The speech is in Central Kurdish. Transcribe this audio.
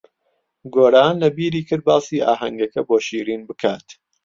گۆران لەبیری کرد باسی ئاهەنگەکە بۆ شیرین بکات.